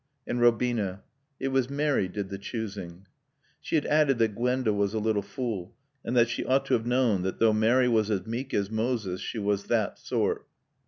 And Robina, "It was Mary did the choosing." She had added that Gwenda was a little fool, and that she ought to have known that though Mary was as meek as Moses she was that sort.